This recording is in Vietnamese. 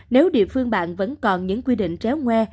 nếu địa phương bạn vẫn còn những quy định tréo nguê